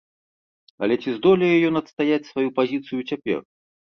Але ці здолее ён адстаяць сваю пазіцыю цяпер?